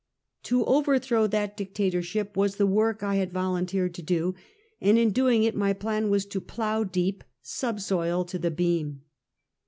To overthrow that dictatorship was the work I had volunteered to do, and in doing it, my plan was to " plow deep," subsoil to the beam.